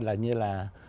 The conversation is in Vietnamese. là như là